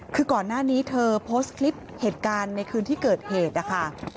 คือก่อนหน้านี้เธอโพสต์คลิปเหตุการณ์ในคืนที่เกิดเหตุนะคะ